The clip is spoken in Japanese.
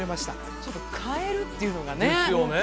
ちょっと買えるっていうのがねですよね